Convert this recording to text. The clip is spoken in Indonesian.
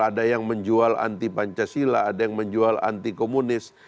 ada yang menjual anti pancasila ada yang menjual anti komunis